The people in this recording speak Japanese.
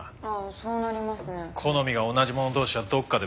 そうなりますねはい。